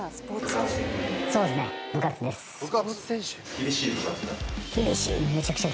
厳しい部活？